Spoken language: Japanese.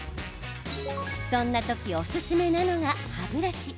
そんな時おすすめなのが歯ブラシ。